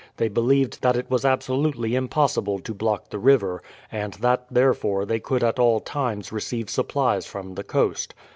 They believed that it was absolutely impossible to block the river, and that, therefore, they could at all times receive supplies from the coast.